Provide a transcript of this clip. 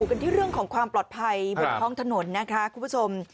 กันที่เรื่องของความปลอดภัยบนท้องถนนนะคะคุณผู้ชม